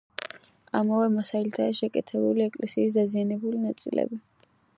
ამავე მასალითაა შეკეთებული ეკლესიის დაზიანებული ნაწილები.